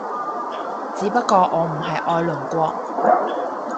只不過我唔係愛鄰國